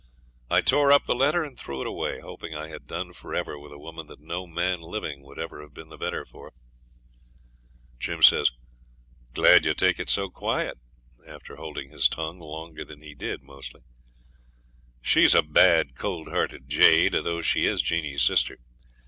I tore up the letter and threw it away, hoping I had done for ever with a woman that no man living would ever have been the better for. 'Glad you take it so quiet,' Jim says, after holding his tongue longer than he did mostly. 'She's a bad, cold hearted jade, though she is Jeanie's sister.